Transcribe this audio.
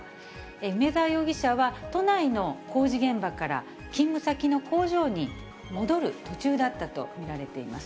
梅沢容疑者は、都内の工事現場から勤務先の工場に戻る途中だったと見られています。